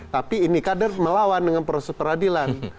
tapi ini kader melawan dengan proses peradilan